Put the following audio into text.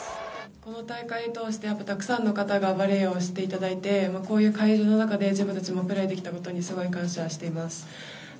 この大会を通してたくさんの方にバレーを知っていただいてこういう会場の中で自分たちがプレーできたことにすごい感謝しています。